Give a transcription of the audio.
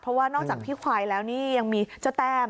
เพราะว่านอกจากพี่ควายแล้วนี่ยังมีเจ้าแต้ม